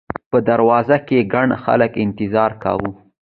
په دروازو کې ګڼ خلک انتظار کاوه.